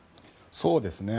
そうですね。